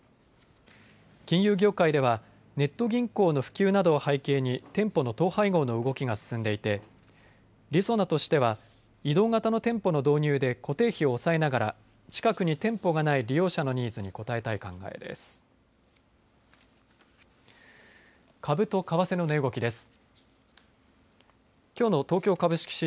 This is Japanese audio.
金融業界ではネット銀行の普及などを背景に店舗の統廃合の動きが進んでいてりそなとしては移動型の店舗の導入で固定費を抑えながら近くに店舗がない利用者のニーズに応えたい考えです。